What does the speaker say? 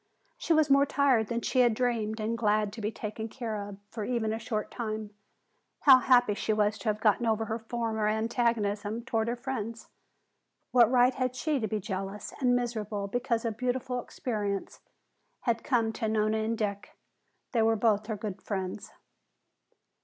She was more tired than she had dreamed and glad to be taken care of for even a short a time. How happy she was to have gotten over her former antagonism toward her friends. What right had she to be jealous and miserable because a beautiful experience had come to Nona and Dick? They were both her good friends.